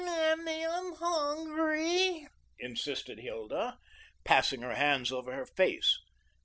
"Mammy, I'm hungry," insisted Hilda, passing her hands over her face.